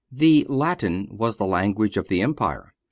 The Latin was the language of the Empire.